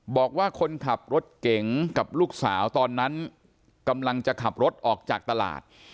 บอกว่าคนขับรถเก๋งกับลูกสาวตอนนั้นกำลังจะขับรถออกจากตลาด